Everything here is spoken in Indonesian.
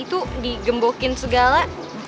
itu digembokin segala